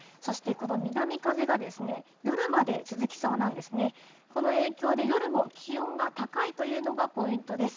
この影響で夜も気温が高いというのがポイントです。